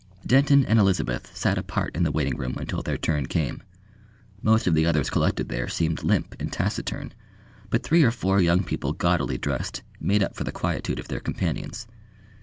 Denton and Elizabeth sat apart in the waiting room until their turn came. Most of the others collected there seemed limp and taciturn, but three or four young people gaudily dressed made up for the quietude of their companions.